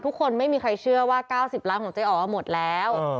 ไม่มีใครเชื่อว่า๙๐ล้านของเจ๊อ๋อหมดแล้ว